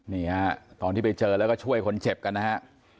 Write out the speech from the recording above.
นี่ฮะตอนที่ไปเจอแล้วก็ช่วยคนเจ็บกันนะฮะ